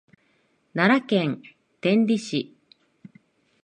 奈良県天理市